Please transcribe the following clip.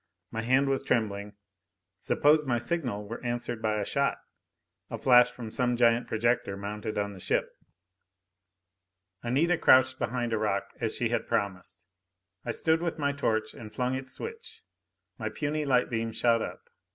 My hand was trembling. Suppose my signal were answered by a shot? A flash from some giant projector mounted on the ship? Anita crouched behind a rock, as she had promised. I stood with my torch and flung its switch. My puny light beam shot up.